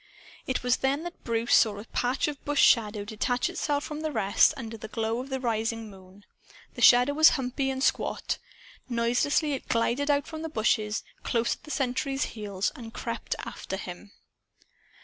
It was then that Bruce saw a patch of bushshadow detach itself from the rest, under the glow of the rising moon. The shadow was humpy and squat. Noiseless, it glided out from among the bushes, close at the sentry's heels, and crept after him.